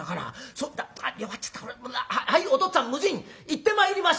そだ弱っちゃったこれはいおとっつぁん無尽行ってまいりました」。